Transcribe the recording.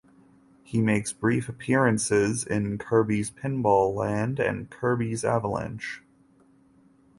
He makes brief appearances in "Kirby's Pinball Land" and "Kirby's Avalanche".